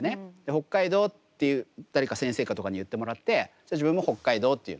北海道って誰か先生とかに言ってもらって自分も北海道って言うのね。